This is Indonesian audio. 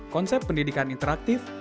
konsep pendidikan interaktif